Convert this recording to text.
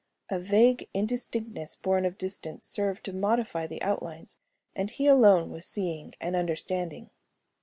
A vague indistinctness borne of distance served to modify the outlines and he alone was seeing and understanding.